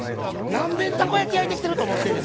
何年たこ焼き焼いてきてると思ってんねん。